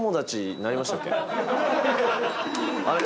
あれ？